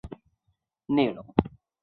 教师也要教他们没有完全明白的内容。